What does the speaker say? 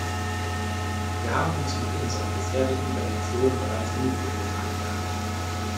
Wir haben uns mit unseren bisherigen Interventionen bereits genug Probleme eingehandelt.